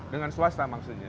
dengan swasta maksudnya